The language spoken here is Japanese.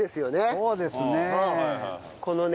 そうですね。